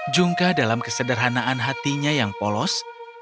jungkah dalam kesederhanaan hatinya yang polos